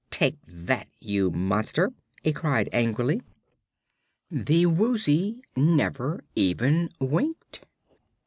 "Take that, you monster!" it cried angrily. The Woozy never even winked.